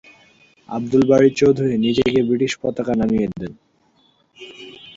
আব্দুল বারী চৌধুরী নিজে গিয়ে ব্রিটিশ পতাকা নামিয়ে দেন।